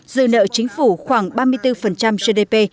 dư nợ chính phủ khoảng ba mươi bốn gdp